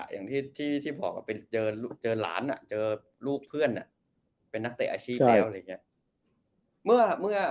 อย่างที่บอกเจอล้านเจอลูกเพื่อนเป็นนักเตะอาชีพแล้ว